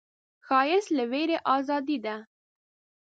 ښایست له ویرې ازادي ده